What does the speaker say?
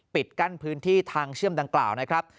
กั้นพื้นที่ทางเชื่อมดังกล่าวนะครับ